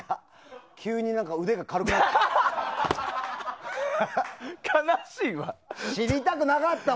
急に腕が軽くなった。